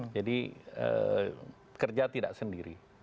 jadi kerja tidak sendiri